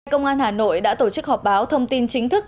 công an hà nội đã tổ chức họp báo thông tin chính thức